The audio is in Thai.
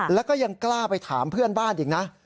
แล้วก็ยังกล้าไปถามเพื่อนบ้านอีกนะ